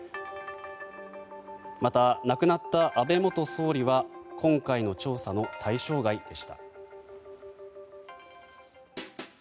また、亡くなった安倍元総理は今回の調査の対象外でした。